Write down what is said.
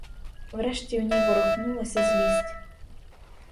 Врешті у ній ворухнулася злість.